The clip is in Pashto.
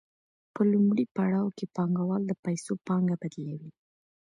په لومړي پړاو کې پانګوال د پیسو پانګه بدلوي